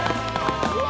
うわ！